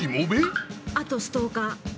あとストーカー。